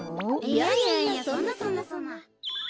いやいやいやそんなそんなそんな。